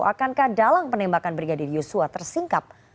akankah dalang penembakan brigadir yosua tersingkap